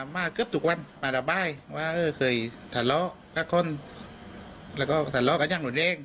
มาเกือบทุกวันมาระบายว่าเออเคยทะเลาะกับคนแล้วก็ทะเลาะกับย่างหนุนเอง